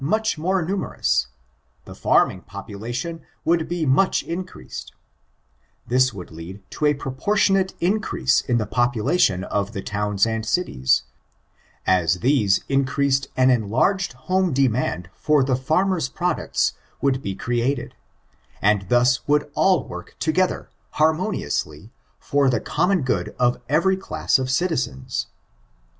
488 mnch mare nrnnerous, the fanning population would be much increased, this wonid lead to a proportionate increase in the population of the towns aiid cities^ — ^aa these increased an enlarged home demand for the £&rmer's products would be created, and thus would all work together, harmoniously, for the common good of every class of citisens.